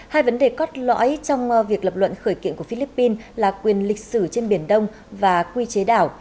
hai vấn đề cốt lõi trong việc lập luận khởi kiện của philippines là quyền lịch sử trên biển đông và quy chế đảo